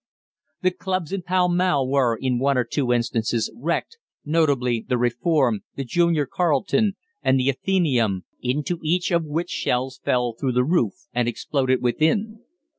The clubs in Pall Mall were, in one or two instances, wrecked, notably the Reform, the Junior Carlton, and the Athenæum, into each of which shells fell through the roof and exploded within.